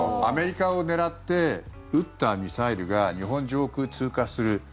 アメリカを狙って撃ったミサイルが日本上空を通過する。